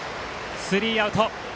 スリーアウト。